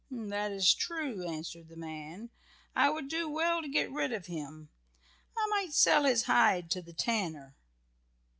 "That is true," answered the man. "I would do well to get rid of him. I might sell his hide to the tanner."